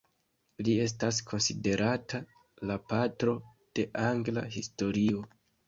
Li estas konsiderata "la patro de angla historio".